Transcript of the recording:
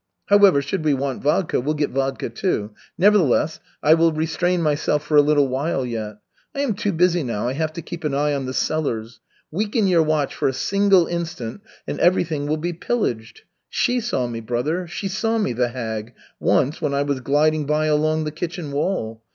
However, should we want vodka, we'll get vodka, too. Nevertheless, I will restrain myself for a little while yet. I am too busy now, I have to keep an eye on the cellars. Weaken your watch for a single instant, and everything will be pillaged. She saw me, brother, she saw me, the hag, once, when I was gliding by along the kitchen wall.